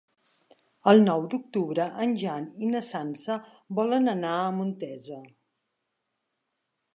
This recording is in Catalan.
El nou d'octubre en Jan i na Sança volen anar a Montesa.